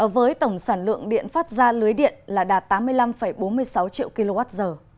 với tổng sản lượng điện phát ra lưới điện là đạt tám mươi năm bốn mươi sáu triệu kwh